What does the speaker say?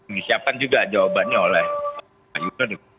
disiapkan juga jawabannya oleh pak yunus